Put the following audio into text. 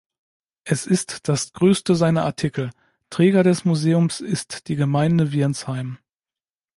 Es ist das größte seiner Artikel Träger des Museums ist die Gemeinde Wiernsheim.